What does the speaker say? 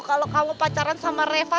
kalau kamu pacaran sama reva